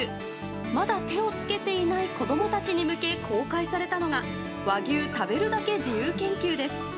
まだ手を付けていない子供たちに向け公開されたのが和牛食べるだけ自由研究です。